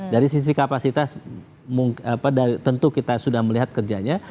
dari sisi kapasitas tentu kita sudah melihat kerjanya